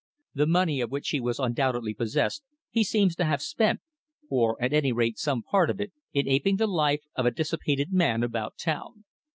The money of which he was undoubtedly possessed he seems to have spent, or at any rate some part of it, in aping the life of a dissipated man about town.